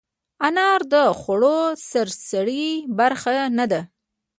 انار د خوړو سرسري برخه نه ده.